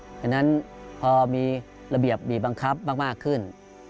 เพราะฉะนั้นพอมีระเบียบบีบังคับมากขึ้น